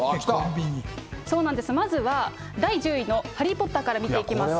まずは第１０位のハリー・ポッターから見ていきます。